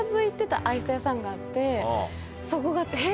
そこが。